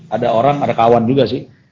ada orang ada kawan juga sih